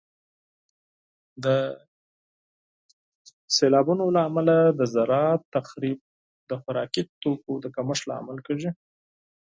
د سیلابونو له امله د زراعت تخریب د خوراکي توکو د کمښت لامل کیږي.